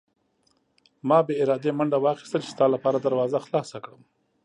ما بې ارادې منډه واخیسته چې ستا لپاره دروازه خلاصه کړم.